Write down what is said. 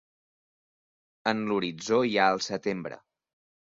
En l’horitzó hi ha el setembre.